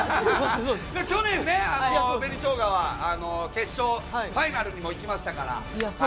去年、紅しょうがは決勝ファイナルにも行きましたから。